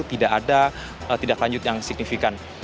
tidak ada tindak lanjut yang signifikan